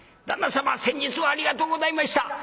「旦那様先日はありがとうございました！